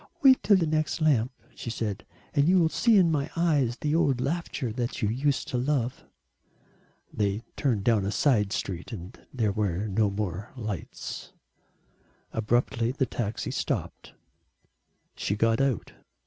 "Wait till the next lamp," she said. "And you will see in my eyes the old laughter that you used to love." They turned down a side street and there were no more lights. Abruptly the taxi stopped. She got out.